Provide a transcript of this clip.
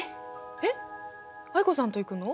えっ藍子さんと行くの？